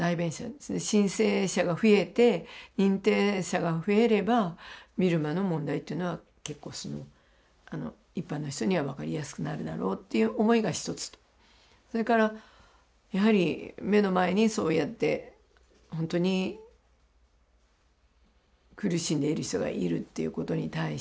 申請者が増えて認定者が増えればビルマの問題っていうのは結構一般の人には分かりやすくなるだろうっていう思いが一つとそれからやはり目の前にそうやってほんとに苦しんでいる人がいるっていうことに対してね